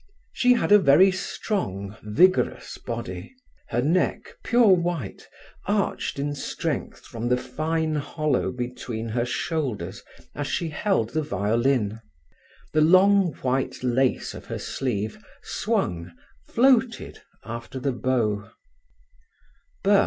She had a very strong, vigorous body. Her neck, pure white, arched in strength from the fine hollow between her shoulders as she held the violin. The long white lace of her sleeve swung, floated, after the bow.